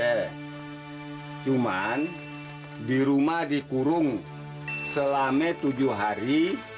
oh ah nggak apa apa cuman dirumah dikurung selama tujuh hari